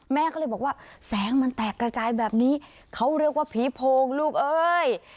แม่ก็เลยบอกว่าแสงมันแตกกระจายแบบนี้เขาเรียกว่าผีโพงลูกเอ้ย